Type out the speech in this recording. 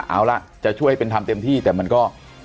เอาล่ะจะช่วยเป็นทำเต็มที่แต่มันก็